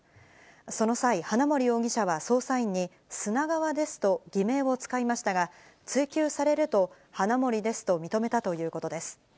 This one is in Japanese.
その際、花森容疑者は捜査員に、スナガワですと偽名を使いましたが、追及されると、花森ですと認めたということです。